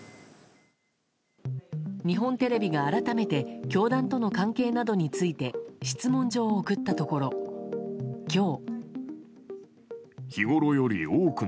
日本テレビが改めて教団との関係などについて質問状を送ったところ今日。